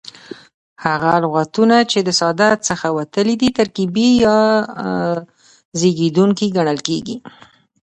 هغه لغتونه، چي د ساده څخه وتلي دي ترکیبي یا زېږېدونکي کڼل کیږي.